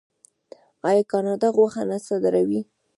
آیا کاناډا غوښه نه صادروي؟